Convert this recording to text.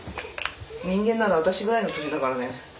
人間なら私ぐらいの年だからね。